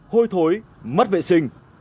hôi thối mất vệ sinh